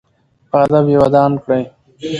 په ادب یې ودان کړئ.